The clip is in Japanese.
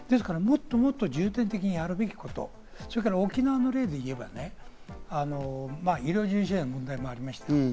もっと重点的にやるべきこと、沖縄の例で言えば医療従事者の問題もありますけど。